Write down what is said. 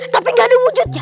tapi ga ada wujudnya